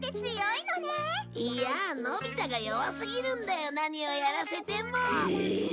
いやのび太が弱すぎるんだよ何をやらせても。